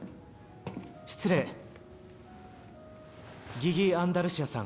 ギギ・アンダルシアさん